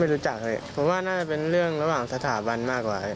แต่ผมดูแล้วรถมันติดผมก็เลยมาเส้นรถ